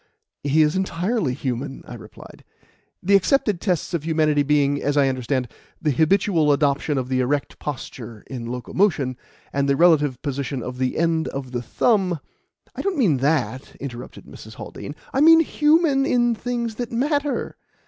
"He is entirely human," I replied; "the accepted tests of humanity being, as I understand, the habitual adoption of the erect posture in locomotion, and the relative position of the end of the thumb " "I don't mean that," interrupted Mrs. Haldean. "I mean human in things that matter."